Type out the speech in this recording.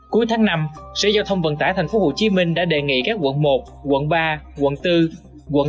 cuối tháng năm xe giao thông vận tải tp hcm đã đề nghị các quận một quận ba quận bốn quận năm quận sáu